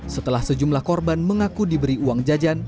setelah sejumlah korban mengaku diberi uang jajan